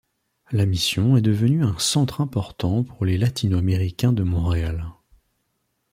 La Mission est devenue un centre important pour les latino-américains de Montréal.